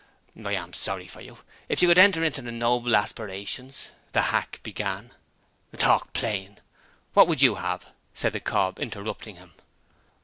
'I am sorry for you. If you could enter into the noble aspirations ' the hack began. 'Talk plain. What would you have?' said the cob, interrupting him.